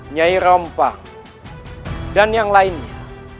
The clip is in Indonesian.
nyai rompang dan yang lainnya